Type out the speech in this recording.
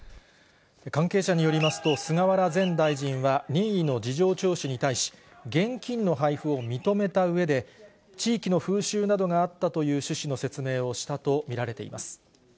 関係者によりますと、菅原前大臣は、任意の事情聴取に対し、現金の配布を認めたうえで、地域の風習などがあったという趣旨の説明をしたと見られています。